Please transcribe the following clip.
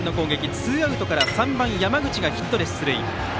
ツーアウトから３番、山口がヒットで出塁。